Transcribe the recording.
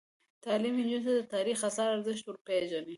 تعلیم نجونو ته د تاریخي اثارو ارزښت ور پېژني.